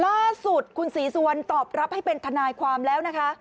ล่าสุดคุณศรีสุวรรณตอบรับให้เป็นทนายความแล้วนะคะ